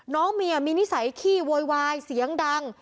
น้องเมียมีนิสัยขี้โวยวายเสียงดัง